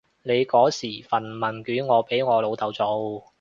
你嗰時份問卷我俾我老豆做